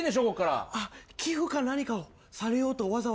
寄付か何かをされようとわざわざここまで。